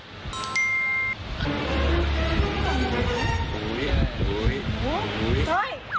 เปิดตัวก่อน